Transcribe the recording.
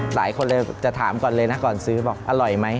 หลายคนเลยจะถามก่อนเลยนะก่อนซื้อบอกอร่อยไหม